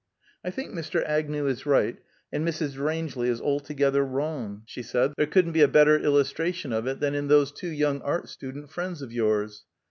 "I think Mr. Agnew is right, and Mrs. Rangeley is altogether wrong," she said. "There couldn't be a better illustration of it than in those two young art student friends of yours.